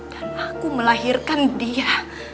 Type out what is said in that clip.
dan aku melahirkan dia